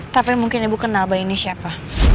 tapi mungkin ibu kenal bayi ini siapa